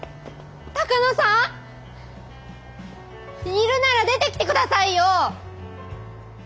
いるなら出てきてくださいよ！